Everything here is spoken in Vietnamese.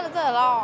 con cũng rất là lo